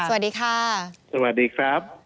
สวัสดีครับ